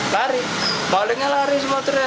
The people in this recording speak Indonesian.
lari malingnya lari semua